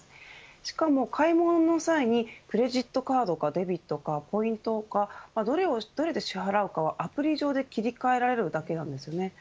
しかも買い物の際にクレジットカードかデビットかポイントかどれかで支払うかはアプリ上で切り替えられるだけなんです。